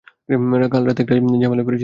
কাল রাতে একটা ঝামেলায় পড়েছিলাম।